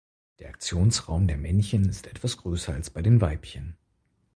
Der Aktionsraum der Männchen ist etwas größer als bei den Weibchen.